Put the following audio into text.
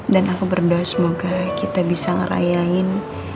dan aku berdoa semoga kita bisa ngerayain